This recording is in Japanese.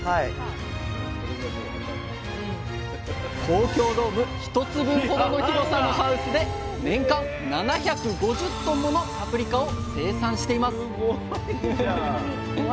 東京ドーム１つ分ほどの広さのハウスで年間７５０ｔものパプリカを生産しています